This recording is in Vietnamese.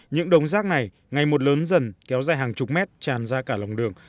những đống rác này ngày một lớn dần kéo dài hàng chục mét tràn ra cả lòng đường